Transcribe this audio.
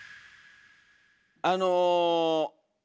あの。